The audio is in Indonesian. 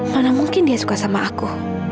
mana mungkin dia suka sama aku